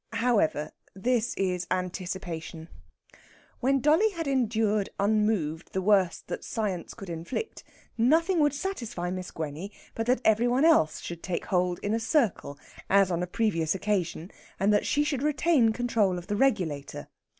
However, this is anticipation. When dolly had endured unmoved the worst that science could inflict, nothing would satisfy Miss Gwenny but that every one else should take hold in a circle, as on a previous occasion, and that she should retain control of the regulator.